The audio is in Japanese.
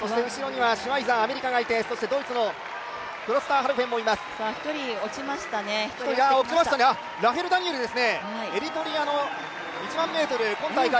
そして後ろにはシュワイザーアメリカがいてそしてドイツのクロスターハルフェンもいます。